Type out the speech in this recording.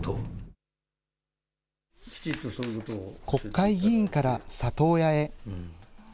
国会議員から里親へ。